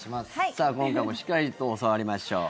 今回もしっかりと教わりましょう。